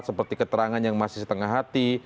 seperti keterangan yang masih setengah hati